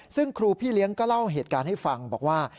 ซึ่งครูพี่เลี้ยงก็เล่าเหตุการณ์ให้ฟังบอกว่า